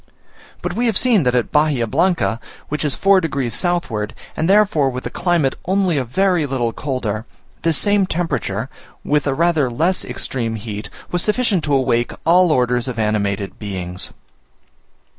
But we have seen that at Bahia Blanca, which is four degrees southward and therefore with a climate only a very little colder, this same temperature with a rather less extreme heat, was sufficient to awake all orders of animated beings.